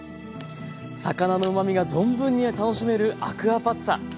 魚のうまみが存分に楽しめるアクアパッツァ。